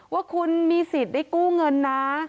ว่าคุณมีสิทธิ์ได้กู้เงินนะ